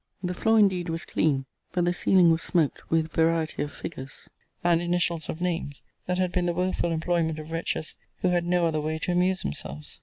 The floor indeed was clean, but the ceiling was smoked with variety of figures, and initials of names, that had been the woeful employment of wretches who had no other way to amuse themselves.